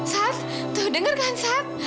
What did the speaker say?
sat tuh denger kan sat